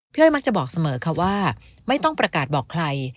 อ้อยมักจะบอกเสมอค่ะว่าไม่ต้องประกาศบอกใคร